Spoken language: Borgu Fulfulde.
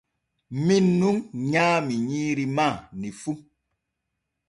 Min nun nyaami nyiiri maaɗa ni fu.